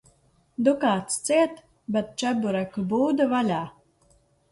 Dukāts ciet, bet čebureku būda vaļā.